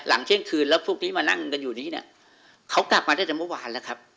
เที่ยงคืนแล้วพวกนี้มานั่งกันอยู่นี้เนี่ยเขากลับมาตั้งแต่เมื่อวานแล้วครับ